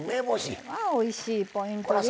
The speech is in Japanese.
おいしいポイントです。